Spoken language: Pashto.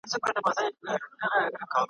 الله تعالی دي پناه درکړي.